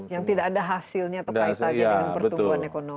yang tidak ada hasilnya atau kaitannya dengan pertumbuhan ekonomi